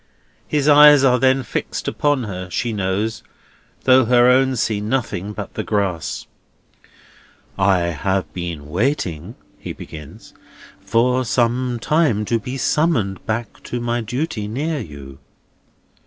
His eyes are then fixed upon her, she knows, though her own see nothing but the grass. "I have been waiting," he begins, "for some time, to be summoned back to my duty near you."